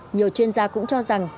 nhiều chuyên gia cũng cho rằng